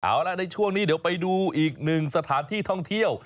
เอาล่ะในช่วงนี้เดี๋ยวไปดูอีกหนึ่งสถานที่ท่องเที่ยว